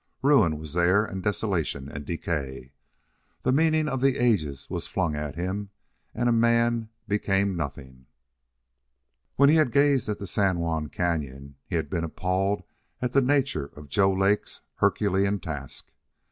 Ruin was there and desolation and decay. The meaning of the ages was flung at him, and a man became nothing. When he had gazed at the San Juan Cañon he had been appalled at the nature of Joe Lake's Herculean task.